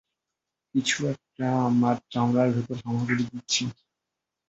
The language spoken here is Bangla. কিছু একটা আমার চামড়ার ভেতর হামাগুড়ি দিচ্ছে।